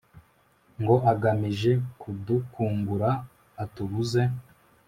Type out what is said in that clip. ngo agamije kudukungura atubuze